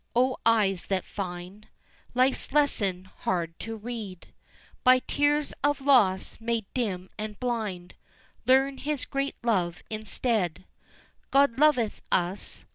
O eyes that find Life's lesson hard to read, By tears of loss made dim and blind Learn His great love instead. God loveth us!